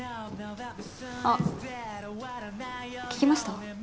あっ聞きました？